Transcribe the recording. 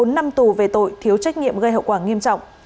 bốn năm tù về tội thiếu trách nhiệm gây hậu quả nghiêm trọng